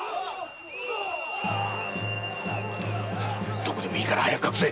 どこでもいいから早く隠せ！